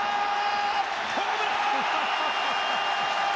ホームラン！